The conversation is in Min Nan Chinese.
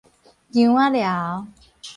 姜仔寮